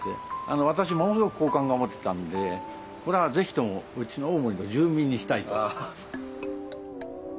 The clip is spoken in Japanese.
私ものすごく好感が持てたんでこれはぜひともうちの大森の住民にしたいと。